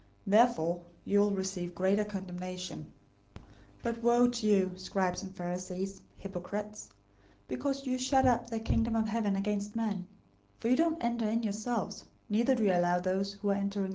Therefore you will receive greater condemnation. 023:014 "But woe to you, scribes and Pharisees, hypocrites! Because you shut up the Kingdom of Heaven against men; for you don't enter in yourselves, neither do you allow those who are entering in to enter.